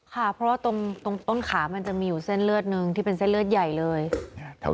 ค่ะเพราะว่าตรงต้นขามันจะมีอยู่เส้นเลือดหนึ่งที่เป็นเส้นเลือดใหญ่เลย